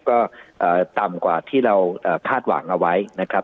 ก็เอ่อต่ำกว่าที่เราเอ่อพลาดหวังเอาไว้นะครับ